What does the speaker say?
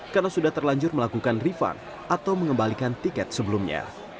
karena sudah terlanjur melakukan refund atau mengembalikan tiket sebelumnya